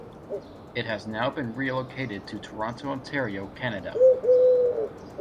It has now been relocated to Toronto, Ontario, Canada.